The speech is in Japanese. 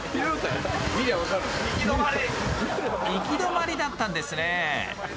行き止まりだったんですね。